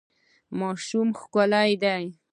ماشومان ښکلي دي